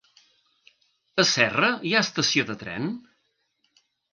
A Serra hi ha estació de tren?